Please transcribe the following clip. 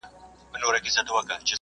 زه پرون درسونه لوستل کوم؟